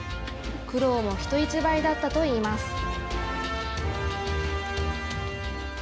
苦労も人一倍だったといいます。